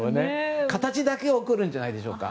形だけ送るんじゃないでしょうか。